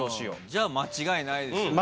じゃあ間違いないですよね。